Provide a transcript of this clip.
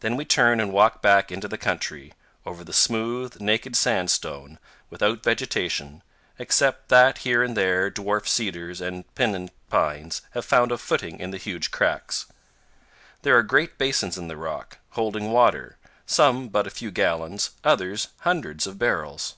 Then we turn and walk back into the country, over the smooth, naked sandstone, without vegetation, except that here and there dwarf cedars and piñón pines have found a footing in the huge cracks. There are great basins in the rock, holding water, some but a few gallons, others hundreds of barrels.